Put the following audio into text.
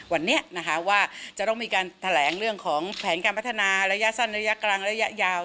วันนี้นะคะว่าจะต้องมีการแถลงเรื่องของแผนการพัฒนาระยะสั้นระยะกลางระยะยาว